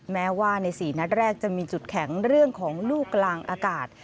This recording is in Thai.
แม้ว่าใน๔นัดแรกจะมีจุดแข็งเรื่องของลูกกลางอากาศ